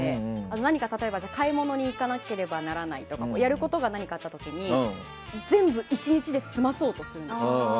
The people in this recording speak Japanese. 何か例えば、買い物に行かなければならないとかやることが何かあった時に全部１日で済まそうとするんですよ。